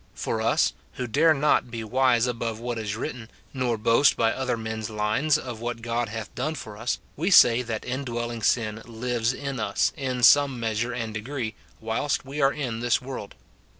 For us, who dare not be wise above what is written, nor boast by other men's lines of what God hath done for us, we say that indwelling sin lives in us, in some measure and degree, whilst we are in this world.